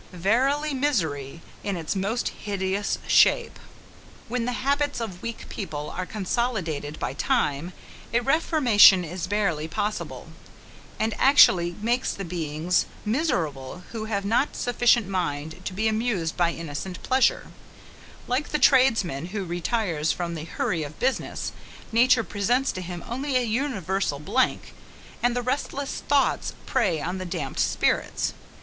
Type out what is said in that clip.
Verily misery in its most hideous shape. When the habits of weak people are consolidated by time, a reformation is barely possible; and actually makes the beings miserable who have not sufficient mind to be amused by innocent pleasure; like the tradesman who retires from the hurry of business, nature presents to them only a universal blank; and the restless thoughts prey on the damped spirits.